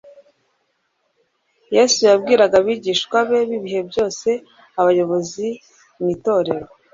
Yesu yabwiraga abigishwa be b'ibihe byose: abayobozi mu itorero,